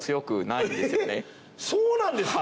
そうなんですか？